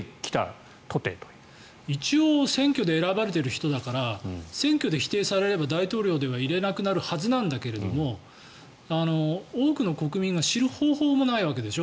一応選挙で選ばれている人だから選挙で否定されれば大統領ではいられなくなるはずなんだけど多くの国民が知る方法もないわけでしょ。